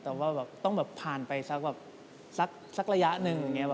แต่ว่าแบบต้องแบบผ่านไปสักระยะหนึ่ง